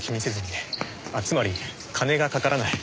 つまり金がかからない。